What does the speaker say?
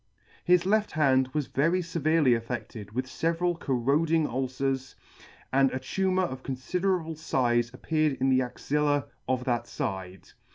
His left hand was very feverely aflFe< 5 ted with feveral corroding ulcers, and a tumour of confiderable fize appeared in the axilla of that fide.